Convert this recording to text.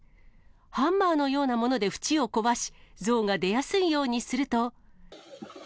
ハンマーのようなもので縁を壊し、ゾウが出やすいようにすると。